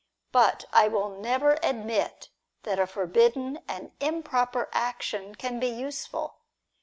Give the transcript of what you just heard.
But I will never admit that a forbidden and improper action can be use ful.